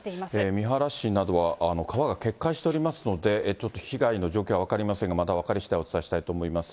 三原市などは、川が決壊しておりますので、ちょっと被害の状況が分かりませんが、また分かりしだいお伝えしたいと思います。